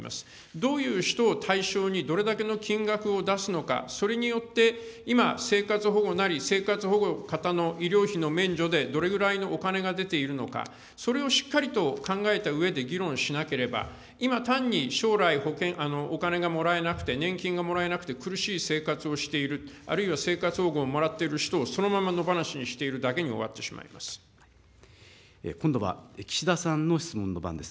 どういう人を対象に、どれだけの金額を出すのか、それによって今、生活保護なり、生活保護の方の医療費の免除で、どれぐらいのお金が出ているのか、それをしっかりと考えたうえで議論しなければ、今、単に将来、お金がもらえなくて、年金がもらえなくて苦しい生活をしている、あるいは生活保護をもらっている人をそのまま野放しにしているだ今度は岸田さんの質問の番です。